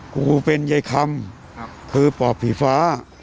กูเป็นใยคำครับคือปอบผีปอบ